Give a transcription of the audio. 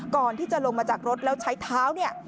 ก่อนที่จะลงมาจากรถแล้วใช้เท้าเนี่ย